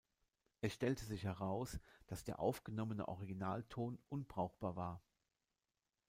Es stellte sich heraus, dass der aufgenommene Originalton unbrauchbar war.